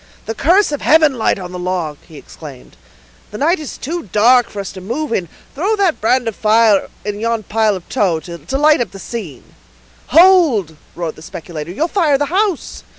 "The curse of heaven light on the log!" he exclaimed. "The night is too dark for us to move in; throw that brand of fire in yon pile of tow, to light up the scene." "Hold!" roared the speculator; "you'll fire the house."